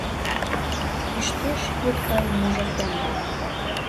Ӱштеш йӱд гай мужыр яндам.